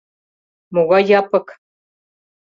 Могай Япык?